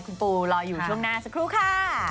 คุณปูรออยู่ช่วงหน้าสักครู่ค่ะ